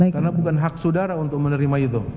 karena bukan hak sudara untuk menerima itu